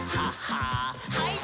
はい。